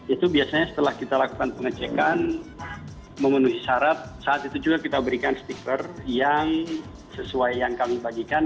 itu biasanya setelah kita lakukan pengecekan memenuhi syarat saat itu juga kita berikan stiker yang sesuai yang kami bagikan